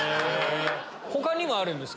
他にもあるんですか？